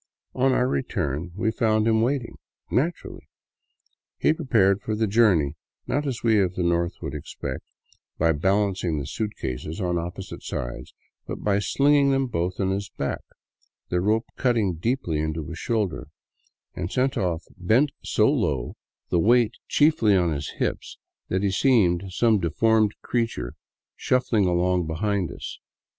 On our return we found him waiting — naturally. He prepared for the journey, not as we of the north would expect, by balancing the suitcases on opposite sides, but by slinging them both on his back, the rope cutting deeply into his shoulder, and set off bent so low, with 42 FROM BOGOTA OVER THE QUINDiO the weight chiefly on his hips, that he seemed some deformed crea ture shuffling along behind us.